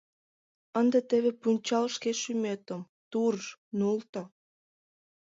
Ынде теве пунчал шке шӱметым, турж, нулто!»